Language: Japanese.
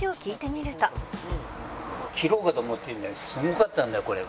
すごかったんだよこれ。